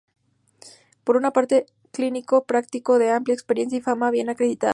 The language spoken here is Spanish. Por una parte, clínico práctico de amplia experiencia y fama bien acreditada.